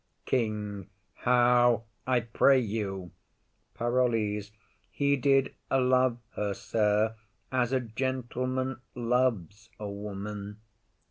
KING. How, I pray you? PAROLLES. He did love her, sir, as a gentleman loves a woman.